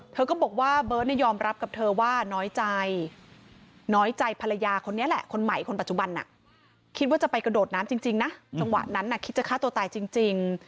เธอก็บอกว่าเบิร์ตยอมรับกับเธอว่าน้อยใจน้อยใจภรรยาคนนี้แหละคนใหม่คนปัจจุบันคิดว่าจะไปกระโดดน้ำจริงนะจังหวะนั้นคิดจะฆ่าตัวตายจริง